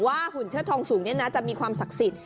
หุ่นเชิดทองสูงจะมีความศักดิ์สิทธิ